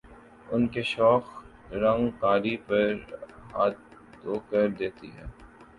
ان کے شوخ رنگ قاری پر جادو کر دیتے ہیں